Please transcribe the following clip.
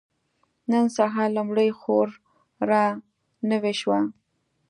نن سهار لومړۍ خور را نوې شوه.